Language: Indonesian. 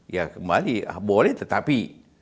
ya kembali boleh tetapi